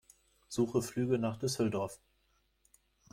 Suche Flüge nach Düsseldorf.